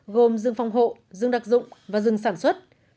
gồm rừng phòng hộ rừng đặc dụng và rừng sản xuất